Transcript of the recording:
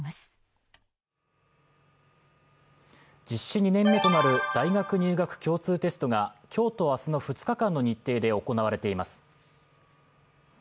実施２年目となる大学入学共通テストが今日と明日の２日間の日程で行われています。